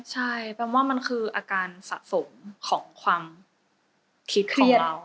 ใช่แปลว่ามันคืออาการสะสมของความคิดของเรา